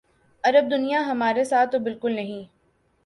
عرب دنیا ہمارے ساتھ تو بالکل نہیں۔